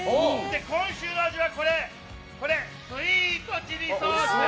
今週の味はスイートチリソース！